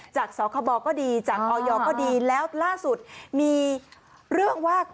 จากสคบก็ดีจากออยก็ดีแล้วล่าสุดมีเรื่องว่า